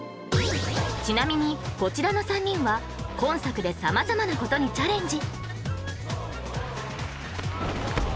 ちなみにこちらの３人は今作で様々なことにチャレンジ